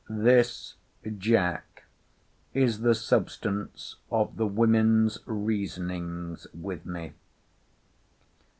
This, Jack, is the substance of the women's reasonings with me.